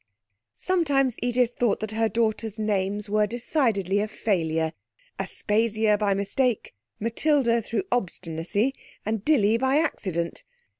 Sometimes Edith thought that her daughter's names were decidedly a failure Aspasia by mistake, Matilda through obstinacy, and Dilly by accident.